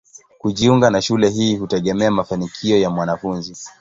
Kujiunga na shule hii hutegemea mafanikio ya mwanafunzi.